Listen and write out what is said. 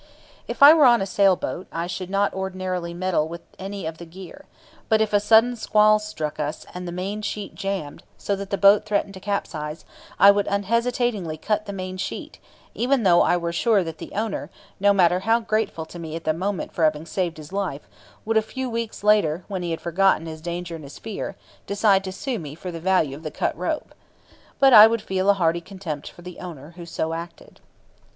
If I were on a sail boat, I should not ordinarily meddle with any of the gear; but if a sudden squall struck us, and the main sheet jammed, so that the boat threatened to capsize, I would unhesitatingly cut the main sheet, even though I were sure that the owner, no matter how grateful to me at the moment for having saved his life, would a few weeks later, when he had forgotten his danger and his fear, decide to sue me for the value of the cut rope. But I would feel a hearty contempt for the owner who so acted.